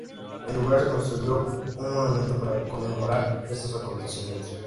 En lugar se construyó un monumento para conmemorar estos acontecimientos.